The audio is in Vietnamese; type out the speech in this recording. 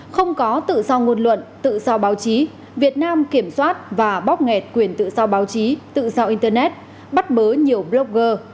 không có tự sao ngôn luận tự sao báo chí việt nam kiểm soát và bóc nghẹt quyền tự sao báo chí tự sao internet bắt bớ nhiều blogger